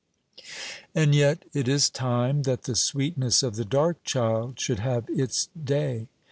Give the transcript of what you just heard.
And yet it is time that the sweetness of the dark child should have its day.